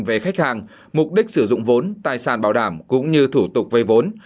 về khách hàng mục đích sử dụng vốn tài sản bảo đảm cũng như thủ tục vây vốn